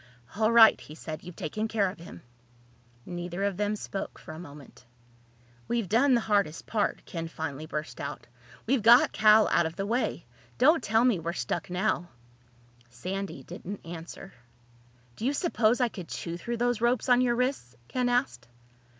"All right," he said. "You've taken care of him." Neither of them spoke for a moment. "We've done the hardest part," Ken finally burst out. "We've got Cal out of the way. Don't tell me we're stuck now!" Sandy didn't answer. "Do you suppose I could chew through those ropes on your wrists?" Ken asked.